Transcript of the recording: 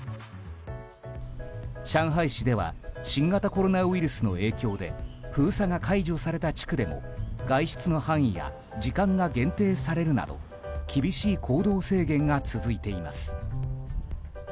上海市では新型コロナウイルスの影響で封鎖が解除された地区でも外出の範囲や時間が限定されるなど厳しい行動制限が続いています。